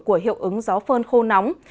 của hiệu ứng gió phơn khô nóng